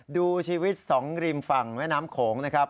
ดูชีวิต๒ริมฝั่งแม่น้ำโขงนะครับ